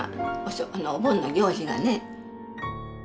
お盆の行事がね。